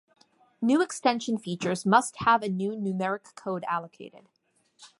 New extension features must have a new numeric code allocated.